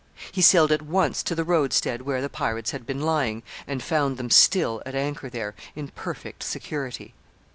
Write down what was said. He sailed at once to the roadstead where the pirates had been lying, and found them still at anchor there, in perfect security.